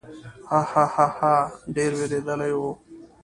ها، ها، ها، ډېر وېرېدلی و.